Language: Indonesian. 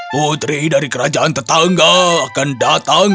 putri dari kerajaan tetangga akan datang